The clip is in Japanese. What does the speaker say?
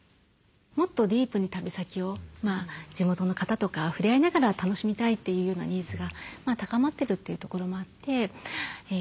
もっとディープに旅先を地元の方とか触れ合いながら楽しみたいというようなニーズが高まってるというところもあって。